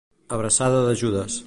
Abraçada de Judes.